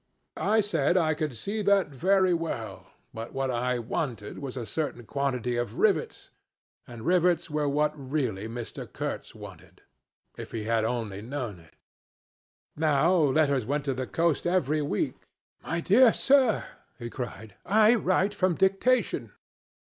I said I could see that very well, but what I wanted was a certain quantity of rivets and rivets were what really Mr. Kurtz wanted, if he had only known it. Now letters went to the coast every week. ... 'My dear sir,' he cried, 'I write from dictation.'